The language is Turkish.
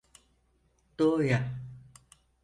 Doğuya.